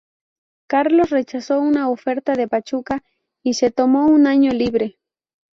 Carlos rechazó una oferta de Pachuca y se tomó un año libre.